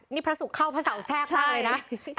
นี่พระสูรเข้าเฟราเส้วแซกได้เลยนะ